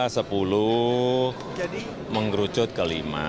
sepuluh mengerucut ke lima